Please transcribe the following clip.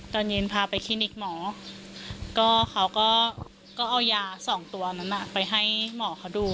ตอนเย็นพาไปคลินิกหมอก็เขาก็เอายาสองตัวนั้นไปให้หมอเขาดู